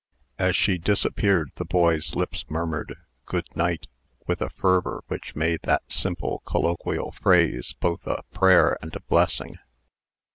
As she disappeared, the boy's lips murmured "Good night" with a fervor which made that simple colloquial phrase both a prayer and a blessing.